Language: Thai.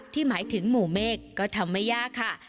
หมายถึงหมู่เมฆก็ทำไม่ยากค่ะ